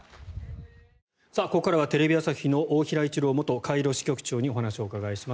ここからはテレビ朝日の大平一郎元カイロ支局長にお話をお伺いします。